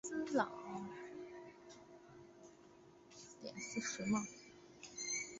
卡斯泰尼奥苏斯朗。